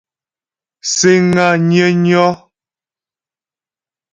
Síŋ á nyə́nyɔ́.